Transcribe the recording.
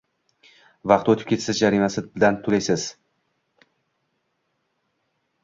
Vaqti o‘tib ketsa, jarimasi bilan to‘laysiz.